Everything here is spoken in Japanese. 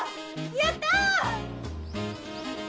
やったー！